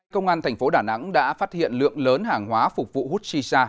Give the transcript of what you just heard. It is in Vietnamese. công an thành phố đà nẵng đã phát hiện lượng lớn hàng hóa phục vụ hút shisha